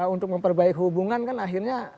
untuk memperbaiki hubungan kan akhirnya